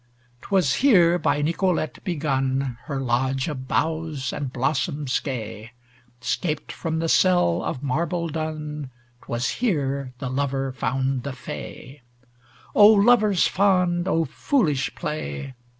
'Twas here by Nicolete begun Her lodge of boughs and blossoms gay; 'Scaped from the cell of marble dun 'Twas here the lover found the Fay; O lovers fond, O foolish play!